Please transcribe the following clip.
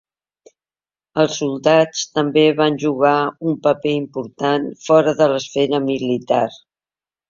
Els soldats també van jugar un paper important fora de l'esfera militar.